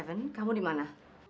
if only si bantuan blocks di sana